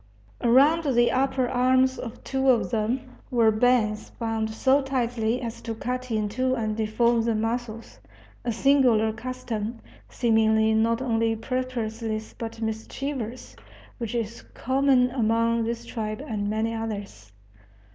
Around the upper arms of two of them were bands bound so tightly as to cut into and deform the muscles a singular custom, seemingly not only purposeless but mischievous, which is common among this tribe and many others.